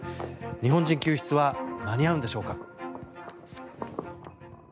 日本人救出は間に合うのでしょうか。